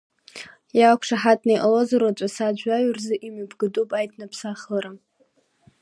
Иақәшаҳаҭны иҟалозар уаҵәы асааҭ жәаҩа рзы имҩаԥгатәуп аиҭныԥсахлара.